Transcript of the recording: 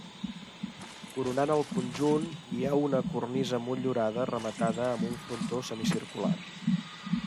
Coronant el conjunt hi ha una cornisa motllurada rematada amb un frontó semicircular.